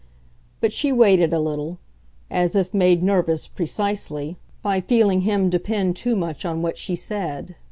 But she waited a little as if made nervous, precisely, by feeling him depend too much on what she said.